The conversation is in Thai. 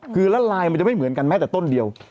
คือละลายมันจะไม่เหมือนกันแม้แต่ต้นเดียว